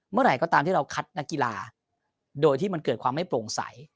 เมื่อไหร่ก็ตามที่เราคัดนักกีฬาโดยที่มันเกิดความไม่โปร่งใส